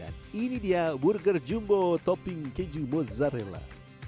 dan ini dia burger jumbo topping keju mozzarella